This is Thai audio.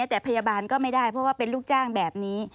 แต่พยาบาลก็ไม่ได้เพราะว่าเป็นลูกจ้างแบบนี้